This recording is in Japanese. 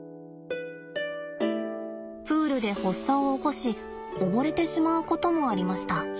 プールで発作を起こし溺れてしまうこともありました。